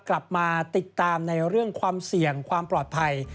กลับมาติดตามในเรื่องความเสี่ยงความปลอดภัย